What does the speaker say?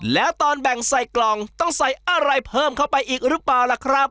แล้วตอนแบ่งใส่กล่องต้องใส่อะไรเพิ่มเข้าไปอีกหรือเปล่าล่ะครับ